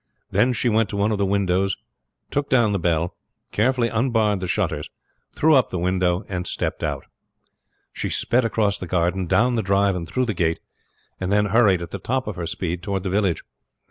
Then she went to one of the windows, took down the bell, carefully unbarred the shutters, threw up the window and stepped out. She sped cross the garden, down the drive, and through the gate, and then hurried at the top of her speed toward the village.